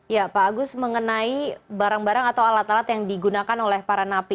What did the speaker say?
ya pak agus mengenai barang barang atau alat alat yang digunakan oleh para napi